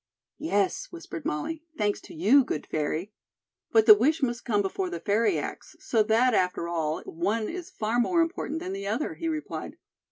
"Yes," whispered Molly; "thanks to you, good fairy." "But the wish must come before the fairy acts, so that, after all, one is far more important than the other," he replied.